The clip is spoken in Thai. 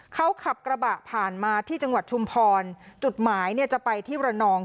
เขาขับกระบะผ่านมาที่จังหวัดชุมพรจุดหมายเนี่ยจะไปที่ระนอง